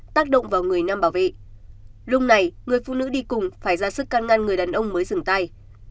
tác động vào người nam bảo vệ lúc này người phụ nữ đi cùng phải ra sức can ngăn người đàn ông mới dừng tay